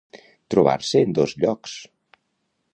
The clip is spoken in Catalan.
Trobar-se en dos llocs.